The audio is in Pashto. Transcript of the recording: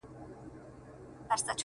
سپینه بیړئ هم دا رقم خبرې زیاتې لرې